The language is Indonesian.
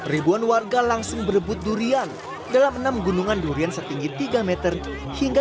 ribuan warga langsung berebut durian dalam enam gunungan durian setinggi tiga meter hingga